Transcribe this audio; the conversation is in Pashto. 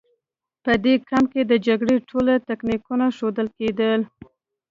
په دې کمپ کې د جګړې ټول تکتیکونه ښودل کېدل